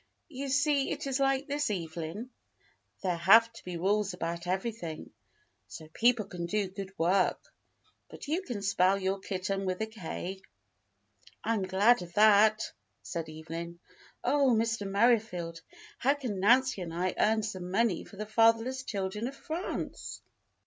You see it is like this, Evelyn; there have to be rules about everything, so people can do good work. But you can spell your kitten w^ith a 7^." "I am glad of that," said Evelyn. "Oh, Mr. Merri field, how can Nancy and I earn some money for the Fatherless Children of France.